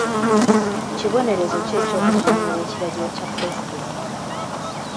Kibonerezo ki eky'okujeemera ekiragiro kya pulezidenti?